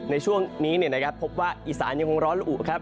ในช่วงนี้เนี่ยนะครับพบว่าอิสานยังคงร้อนและอุ่นครับ